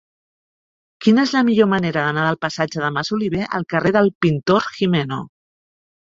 Quina és la millor manera d'anar del passatge de Masoliver al carrer del Pintor Gimeno?